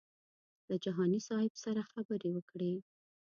له جهاني صاحب سره خبرې وکړې.